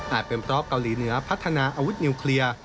เป็นเพราะเกาหลีเหนือพัฒนาอาวุธนิวเคลียร์